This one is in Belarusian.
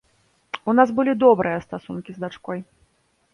У нас былі добрыя стасункі з дачкой.